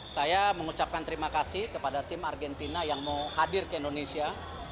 saya mengucapkan terima kasih kepada tim argentina yang mau hadir ke indonesia